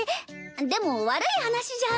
でも悪い話じゃ。